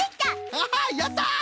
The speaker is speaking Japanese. ハハッやった！